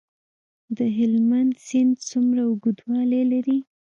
د هلمند سیند څومره اوږدوالی لري؟